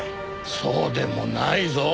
そうでもないぞ。